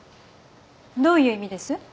どういう意味です？